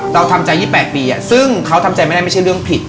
เราทำใจ๒๘ปีซึ่งเขาทำใจไม่ได้ไม่ใช่เรื่องผิด